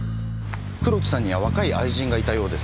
黒木さんには若い愛人がいたようです。